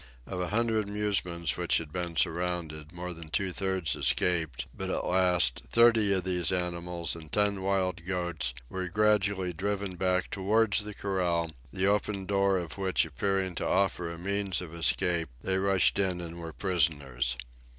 Of a hundred musmons which had been surrounded, more than two thirds escaped, but at last, thirty of these animals and ten wild goats were gradually driven back towards the corral, the open door of which appearing to offer a means of escape, they rushed in and were prisoners.